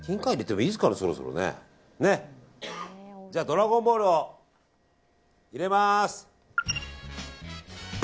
ドラゴンボールを入れます！